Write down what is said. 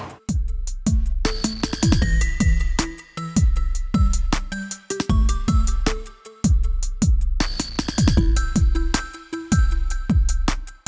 tapi gue gak tau